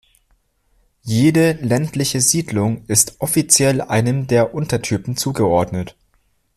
Jede ländliche Siedlung ist offiziell einem der Untertypen zugeordnet.